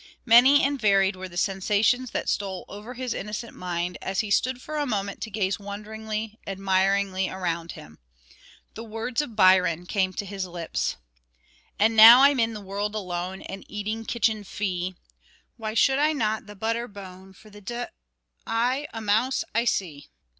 Many and varied were the sensations that stole over his innocent mind, as he stood for a moment to gaze wonderingly, admiringly around him. The words of Byron came to his lips, And now I'm in the world alone And eating kitchen fee, Why should I not the butter bone? For the d l a mouse I see.